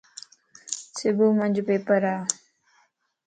صبح مانجو پيپرا.